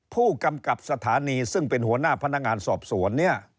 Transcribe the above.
ผู้กำกับสถานีซึ่งเป็นหัวหน้าพนักงานสอบสวนเนี่ย